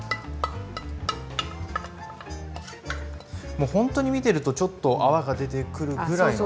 もうほんとに見てるとちょっと泡が出てくるぐらいの。